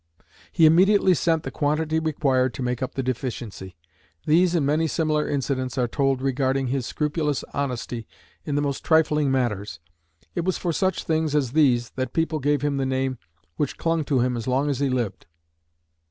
He immediately sent the quantity required to make up the deficiency. These and many similar incidents are told regarding his scrupulous honesty in the most trifling matters. It was for such things as these that people gave him the name which clung to him as long as he lived."